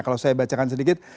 kalau saya bacakan sedikit